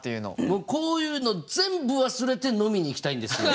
僕こういうの全部忘れて飲みに行きたいんですよ。